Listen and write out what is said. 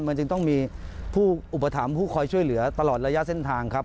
มันจึงต้องมีผู้อุปถัมภ์ผู้คอยช่วยเหลือตลอดระยะเส้นทางครับ